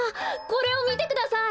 これをみてください！